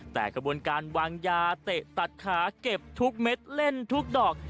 แต่กระบวนการวางยาเตะตัดขาเก็บทุกเม็ดเล่นทุกดอก